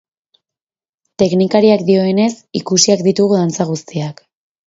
Teknikariak dioenez, ikusiak ditugu dantza guztiak.